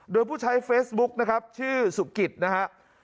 โดยผู้ใช้เฟซบุ๊กนะครับชื่อสุกิตนะฮะ